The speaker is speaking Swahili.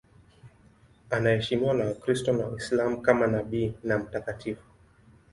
Anaheshimiwa na Wakristo na Waislamu kama nabii na mtakatifu.